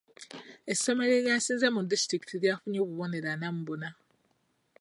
Essomero eryasinze mu disiulikiti lyafunye obubonero ana mu buna.